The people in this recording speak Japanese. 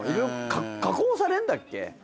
加工されんだっけ？